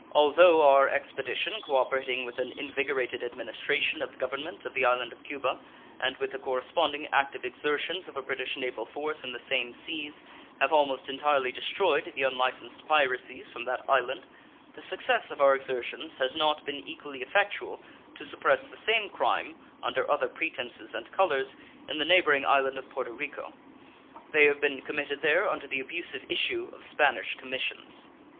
Although our expedition, cooperating with an invigorated administration of the government of the island of Cuba, and with the corresponding active exertions of a British naval force in the same seas, have almost entirely destroyed the unlicensed piracies from that island, the success of our exertions has not been equally effectual to suppress the same crime, under other pretenses and colors, in the neighboring island of Porto Rico. They have been committed there under the abusive issue of Spanish commissions.